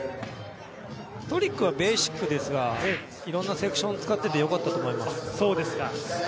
トリックはベーシックですがいろんなセクションを使っててよかったと思います。